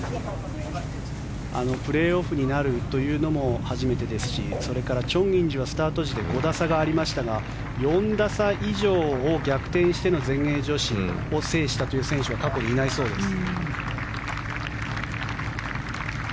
プレーオフになるというのも初めてですしそれからチョン・インジはスタート時で５打差がありましたが４打差以上を逆転しての全英女子を制したという選手は過去にいないそうです。